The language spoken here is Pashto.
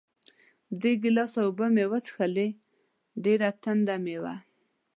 درې ګیلاسه اوبه مې وڅښلې، ډېره تنده مې وه.